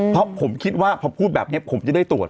เพราะผมคิดว่าพอพูดแบบนี้ผมจะได้ตรวจ